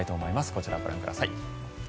こちらをご覧ください。